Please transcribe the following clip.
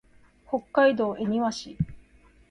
北海道恵庭市